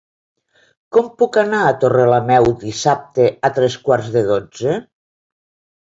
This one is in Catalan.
Com puc anar a Torrelameu dissabte a tres quarts de dotze?